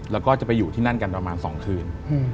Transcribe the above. แล้วก็จะไปอยู่ที่นั่นกันประมาณ๒คืน